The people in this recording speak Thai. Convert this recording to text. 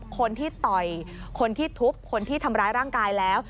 คนที่ต่อยคนที่ทุบคนที่ทำร้ายร่างกายแล้ว